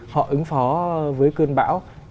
họ ứng phó với cơn bão